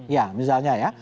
ya misalnya ya